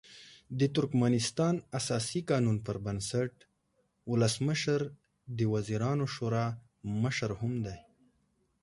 د ترکمنستان اساسي قانون پر بنسټ ولسمشر د وزیرانو شورا مشر هم دی.